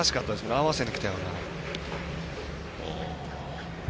合わせにきたような。